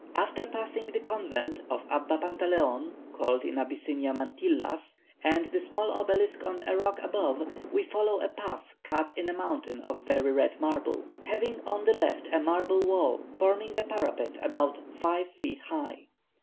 "After passing the convent of Abba Pantaleon, called in Abyssinia Mantillas, and the small obelisk on a rock above, we follow a path cut in a mountain of very red marble, having on the left a marble wall forming a parapet about five feet high.